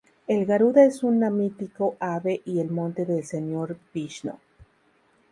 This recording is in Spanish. El Garuda es una mítico ave y el monte de Señor Vishnu.